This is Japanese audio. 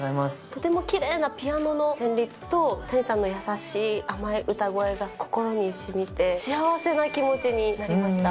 とてもきれいなピアノの旋律とタニさんの優しい甘い歌声が心にしみて、幸せな気持ちになりました。